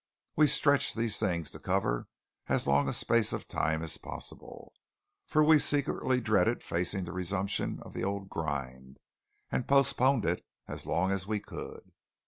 We stretched these things to cover as long a space of time as possible, for we secretly dreaded facing the resumption of the old grind, and postponed it as long as we could.